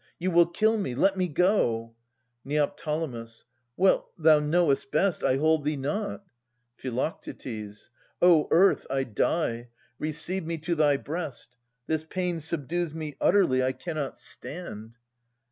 You will kill me. Let me go ! Neo. Well, thou know'st best. I hold thee not. Phi. O Earth, I die : receive me to thy breast ! This pain Subdues me utterly; I cannot stand.